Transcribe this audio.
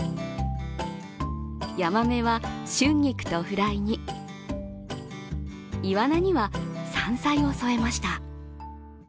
やまめは春菊とフライに、いわなには山菜を添えました。